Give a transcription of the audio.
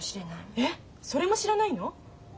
えっそれも知らないの？